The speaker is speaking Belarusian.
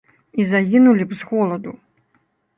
І загінулі б з голаду.